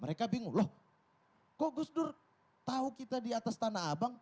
mereka bingung loh kok gus dur tahu kita di atas tanah abang